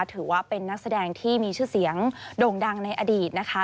ถือว่าเป็นนักแสดงที่มีชื่อเสียงโด่งดังในอดีตนะคะ